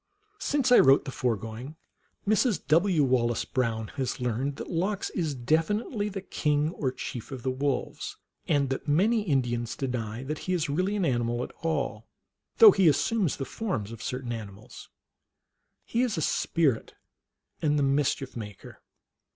Since I wrote the foregoing, Mrs. W. Wallace Brown has learned that Lox is definitely the king or chief of the wolves, and that many Indians deny that he is really an animal at all, though he assumes the forms of certain animals. He is a spirit, and the Mischief Maker.